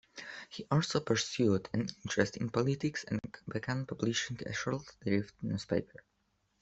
He also pursued an interest in politics and began publishing a short-lived newspaper.